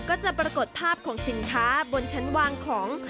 ก็จะปรากฏภาพของสินค้าบนชั้นวางของ